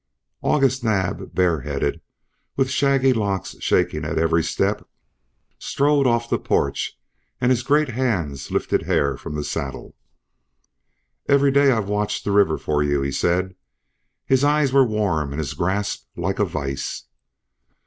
August Naab, bareheaded, with shaggy locks shaking at every step, strode off the porch and his great hands lifted Hare from the saddle. "Every day I've watched the river for you," he said. His eyes were warm and his grasp like a vise.